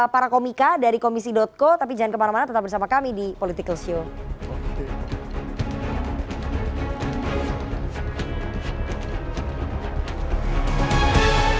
para komika dari komisi co tapi jangan kemana mana tetap bersama kami di political show